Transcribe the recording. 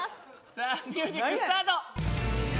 さあミュージックスタート！